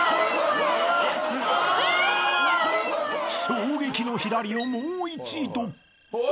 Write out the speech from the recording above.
［衝撃の「左」をもう一度］